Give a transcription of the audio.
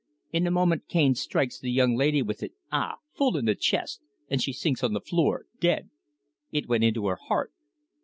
In a moment Cane strikes the young lady with it ah! full in the chest and she sinks on the floor dead! It went into her heart.